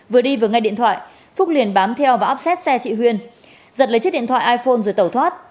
vừa đi vừa ngay điện thoại phúc liền bám theo và áp xét xe chị huyên giật lấy chiếc điện thoại iphone rồi tẩu thoát